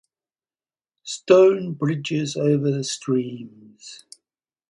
Stone bridges over the streams